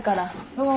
そう？